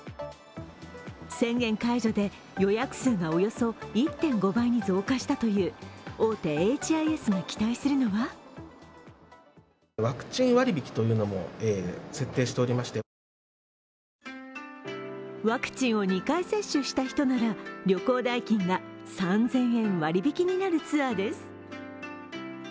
宣言解除で予約数がおよそ１．５倍に増加したという大手ＨＩＳが期待するのはワクチンを２回接種した人なら、旅行代金が３０００円割引になるツアーです。